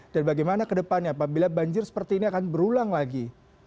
dan bagaimana ke depannya apabila banjir seperti ini akan berulang lagi